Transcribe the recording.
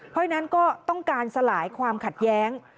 เพราะฉะนั้นก็ต้องการสลายความขัดแย้ง